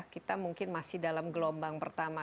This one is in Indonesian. kita mungkin masih dalam gelombang pertama